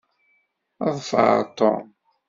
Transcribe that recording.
Ḍfer Tom.